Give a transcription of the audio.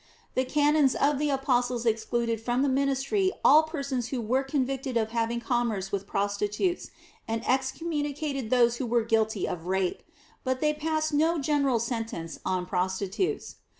The canons of the apostles excluded from the ministry all persons who were convicted of having commerce with prostitutes, and excommunicated those who were guilty of rape, but they passed no general sentence on prostitutes.